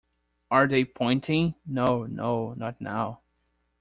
‘Are they pointing?’ No, no; not now.